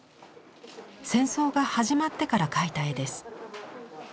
戦争が始まってから描いた絵です。